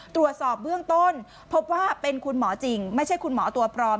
ตรวจสอบเบื้องต้นพบว่าเป็นคุณหมอจริงไม่ใช่คุณหมอตัวปลอม